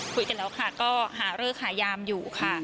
คุยกันแล้วค่ะก็หาเลิกขายยามอยู่ค่ะ